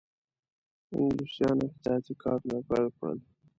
انګلیسیانو احتیاطي کارونه پیل کړل.